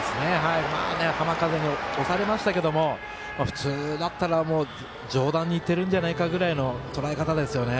浜風に押されましたけど普通だったら上段にいってるんじゃないかぐらいのとらえ方ですよね。